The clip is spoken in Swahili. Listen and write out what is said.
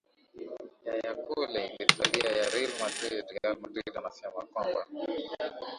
ya ya kule italia ya real madrid real madrid anasema kwamba